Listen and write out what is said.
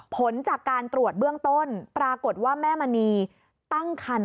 ผลจากการตรวจเบื้องต้นปรากฏว่าแม่มณีตั้งคัน